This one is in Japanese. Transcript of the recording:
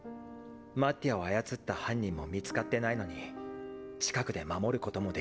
マッティアを操った犯人も見つかってないのに近くで守ることもできない。